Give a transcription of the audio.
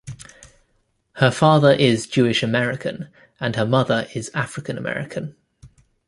Her father is Jewish-American and her mother is African-American.